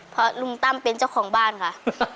เพราะลุงตั้มเป็นเจ้าของบ้านค่ะ